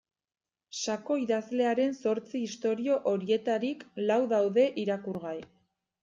Sako idazlearen zortzi istorio horietarik lau daude irakurgai.